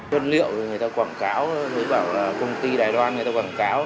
vân liệu người ta quảng cáo người ta bảo là công ty đài loan người ta quảng cáo